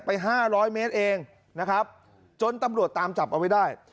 ห้าร้อยเมตรเองนะครับจนตำรวจตามจับเอาไว้ได้